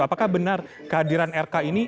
apakah benar kehadiran rk ini